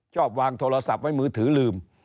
ชอบวางโทรศัพท์ไว้มือถือลืม